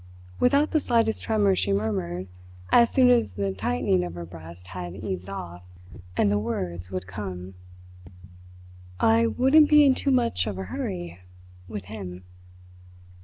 Without the slightest tremor she murmured, as soon as the tightening of her breast had eased off and the words would come: "I wouldn't be in too much of a hurry with him."